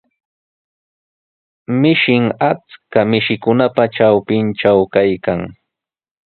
Mishin achka mishikunapa trawpintraw kaykan.